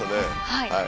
はい。